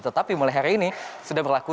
tetapi mulai hari ini sudah berlaku